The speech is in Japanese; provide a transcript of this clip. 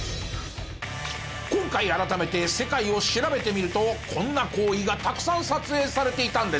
今回改めて世界を調べてみるとこんな行為がたくさん撮影されていたんです。